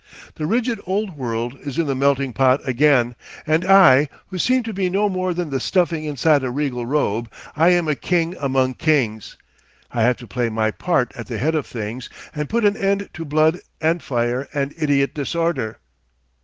The rigid old world is in the melting pot again, and I, who seemed to be no more than the stuffing inside a regal robe, I am a king among kings. I have to play my part at the head of things and put an end to blood and fire and idiot disorder.